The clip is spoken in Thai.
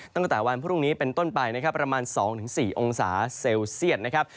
ตั้งแต่วันพรุ่งนี้เป็นต้นไปนะครับประมาณ๒๔องศาเซลเซียตนะครับ